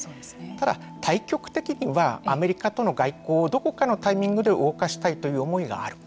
ただ、対極的にはアメリカとの外交をどこかのタイミングで動かしたいという思いがある。